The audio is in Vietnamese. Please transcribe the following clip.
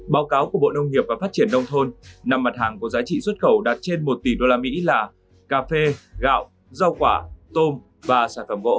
báo cáo của bộ nông nghiệp và phát triển nông thôn năm mặt hàng có giá trị xuất khẩu đạt trên một tỷ usd là cà phê gạo rau quả tôm và sản phẩm gỗ